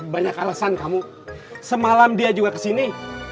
banyak alasan kamu semalam dia juga ke sini